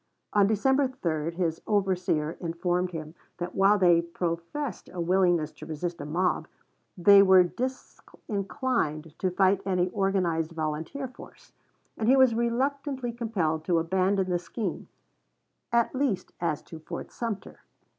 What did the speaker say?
On December 3 his overseer informed him that while they professed a willingness to resist a mob, they were disinclined to fight any organized volunteer force, and he was reluctantly compelled to abandon the scheme, at least as to Fort Sumter.